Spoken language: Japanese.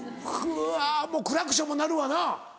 うわもうクラクションも鳴るわな。